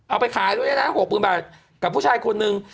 เอาไปขายด้วยด้วยนะหกหมื่นบาทกับผู้ชายคนหนึ่ง